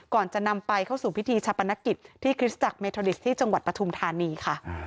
ก่อนจะนำไปเข้าสู่พิธีชาปนกิจที่คริสตจักรเมทอดิสที่จังหวัดปฐุมธานีค่ะ